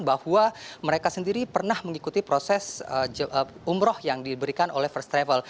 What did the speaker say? bahwa mereka sendiri pernah mengikuti proses umroh yang diberikan oleh first travel